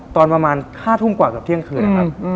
ตอนประมาณ๕ทุ่มกว่ากับเที่ยงคืนนะครับ